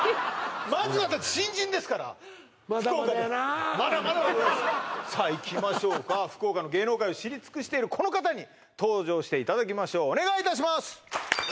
まずはだって新人ですからまだまだやな福岡でまだまだでございますさあいきましょうか福岡の芸能界を知り尽くしているこの方に登場していただきましょうお願いいたします